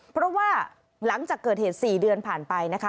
เพราะว่าหลังจากเกิดเหตุ๔เดือนผ่านไปนะคะ